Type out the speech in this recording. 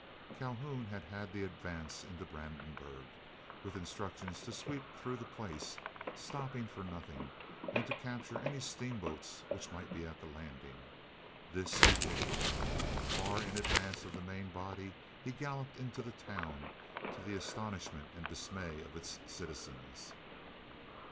Calhoun had had the advance into Brandenburg with instructions to sweep through the place, stopping for nothing, and to capture any steamboats which might be at the landing. This he did. Far in advance of the main body, he galloped into the town, to the astonishment and dismay of its citizens.